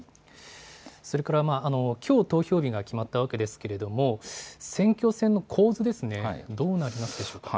それからきょう、投票日が決まったわけですけれども、選挙戦の構図ですね、どうなりますでしょうか。